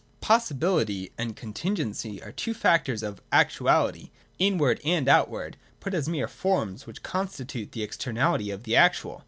145.] Possibility and Contingency are the two factors of Actuality, — Inward and Outward, put as mere forms which constitute the externality of the actual.